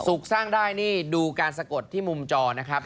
สร้างได้นี่ดูการสะกดที่มุมจอนะครับ